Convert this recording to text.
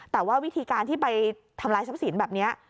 แต่ว่าวิธีการที่ไปทำลายทรัพย์สินแบบนี้